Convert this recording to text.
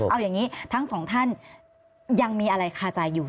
เอาอย่างนี้ทั้งสองท่านยังมีอะไรคาใจอยู่